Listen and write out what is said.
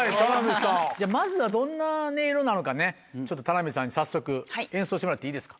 まずはどんな音色なのかね田辺さんに早速演奏してもらっていいですか？